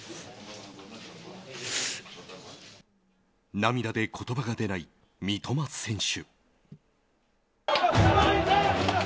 涙で言葉が出ない三笘選手。